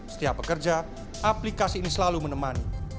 setiap pekerja aplikasi ini selalu menemani